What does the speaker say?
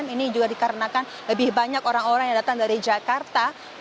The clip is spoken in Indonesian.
ini juga dikarenakan lebih banyak orang orang yang datang dari jakarta